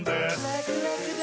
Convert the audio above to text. ラクラクだ！